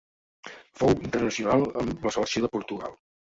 Fou internacional amb la selecció de Portugal.